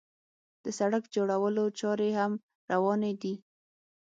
د سړک جوړولو چارې هم روانې دي.